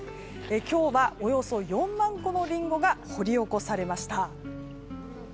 今日はおよそ４万個のリンゴが掘り起こされました。